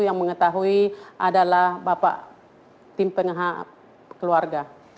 yang mengetahui adalah bapak tim pengha keluarga